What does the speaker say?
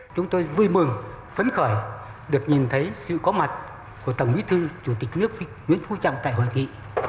chúng tôi vui mừng phấn khởi được nhìn thấy sự có mặt của tổng bí thư chủ tịch nước nguyễn phú trọng tại hội nghị